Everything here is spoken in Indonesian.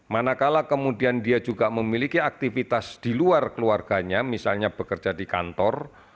manakala kemudian dia juga memiliki aktivitas di luar keluarganya misalnya bekerja di kantor